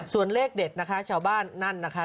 ส่วนเลขเด็ดนะคะชาวบ้านนั่นนะคะ